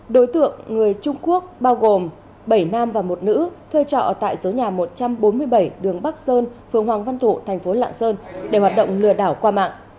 đối tượng người trung quốc bao gồm bảy nam và một nữ thuê trọ tại số nhà một trăm bốn mươi bảy đường bắc sơn phường hoàng văn thụ thành phố lạng sơn để hoạt động lừa đảo qua mạng